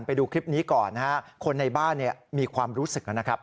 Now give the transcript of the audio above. ไปดูคลิปนี้ก่อนนะฮะคนในบ้านมีความรู้สึกนะครับ